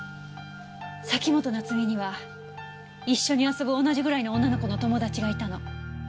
崎本菜津美には一緒に遊ぶ同じぐらいの女の子の友達がいたの。